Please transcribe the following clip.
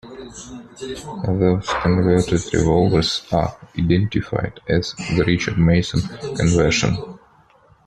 Those converted revolvers are identified as the "Richards-Mason conversion".